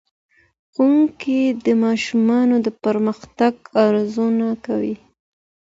ښوونکی د ماشومانو د پرمختګ ارزونه کوي.